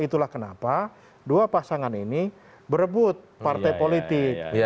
itulah kenapa dua pasangan ini berebut partai politik